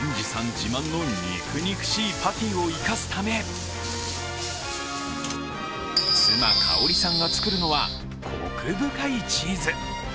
自慢の肉肉しいパティを生かすため、妻・香さんが作るのはコク深いチーズ。